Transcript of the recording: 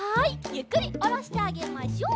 ゆっくりおろしてあげましょう。